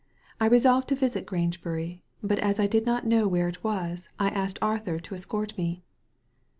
I resolved to visit Grangebury, but as I did not know where it was, I asked Arthur to escort me."